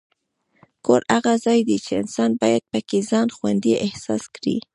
کور هغه ځای دی چې انسان باید پکې ځان خوندي احساس کړي.